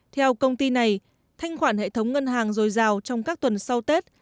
theo công ty này thanh khoản hệ thống ngân hàng dồi dào trong các tuần sau tết